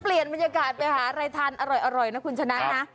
เปลี่ยนบรรยากาศไปหาอะไรทานอร่อยนะคุณชนะนะ